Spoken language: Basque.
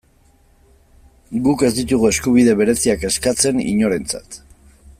Guk ez ditugu eskubide bereziak eskatzen, inorentzat.